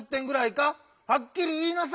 はっきりいいなさい！